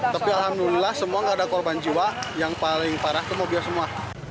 tapi alhamdulillah semua nggak ada korban jiwa yang paling parah itu mobil semua